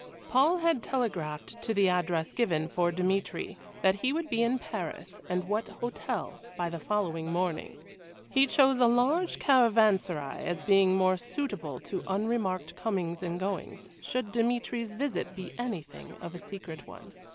Paul had telegraphed to the address given, for Dmitry, that he would be in Paris, and at what hotel, by the following morning. He chose a large caravanserai as being more suitable to unremarked comings and goings, should Dmitry's visit be anything of a secret one.